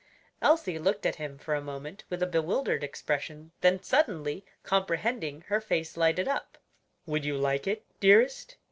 Elsie looked at him for a moment with a bewildered expression; then suddenly comprehending, her face lighted up. "Would you like it, dearest?"